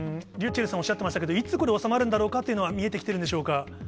ｒｙｕｃｈｅｌｌさんおっしゃってましたけど、いつ、これ収まるんだろうかというのは見えてきてるんでしょうか。